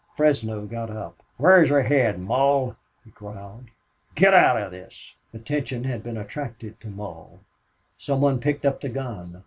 Fresno got up. "Whar's your head, Mull?" he growled. "Git out of this!" Attention had been attracted to Mull. Some one picked up the gun.